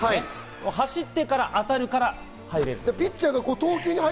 走ってから当たるから間に合う。